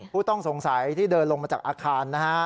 ผู้ต้องสงสัยที่เดินลงมาจากอาคารนะฮะ